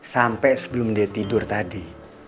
sampai sebelum dia tidur tadi